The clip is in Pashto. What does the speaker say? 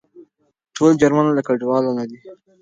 ټول جرمونه له کډوالو نه دي.